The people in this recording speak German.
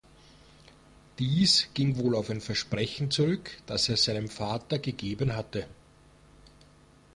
Dies ging wohl auf ein Versprechen zurück, das er seinem Vater gegeben hatte.